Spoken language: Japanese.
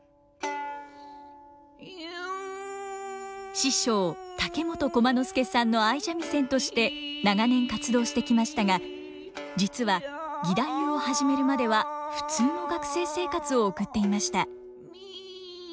師匠竹本駒之助さんの相三味線として長年活動してきましたが実は義太夫を始めるまでは普通の学生生活を送っていました。